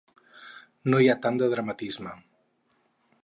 No hi ha tant de dramatisme.